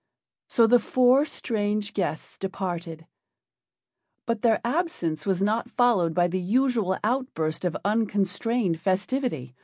So the four strange guests departed; but their absence was not followed by the usual outburst of unconstrained festivity.